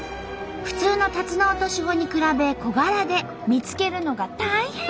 普通のタツノオトシゴに比べ小柄で見つけるのが大変！